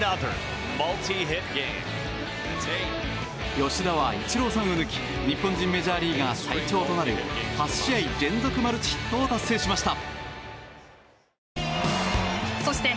吉田はイチローさんを抜き日本人メジャーリーガー最長となる８試合連続マルチヒットを達成しました。